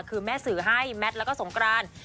คือแม่สื่อให้แมทแล้วก็สงกราน